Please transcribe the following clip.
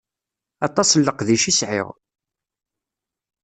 Aṭas n leqdic i sɛiɣ.